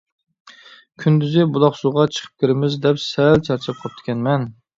كۈندۈزى بۇلاقسۇغا چىقىپ كىرىمىز دەپ سەل چارچاپ قاپتىكەنمەن.